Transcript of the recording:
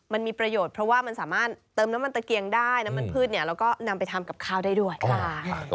มันมีประโยชน์เพราะว่ามันสามารถเติมน้ำมันตะเกียงได้น้ำมันพืชเนี่ยแล้วก็นำไปทำกับข้าวได้ด้วยค่ะ